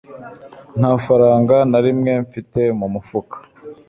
nta faranga na rimwe mfite mu mufuka